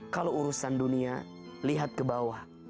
kalau urusan dunia lihat ke bawah